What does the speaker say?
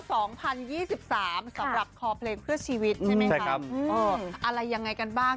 สิบสามสำหรับคอเพลงเพื่อชีวิตใช่ไหมครับใช่ครับอืมอ๋ออะไรยังไงกันบ้าง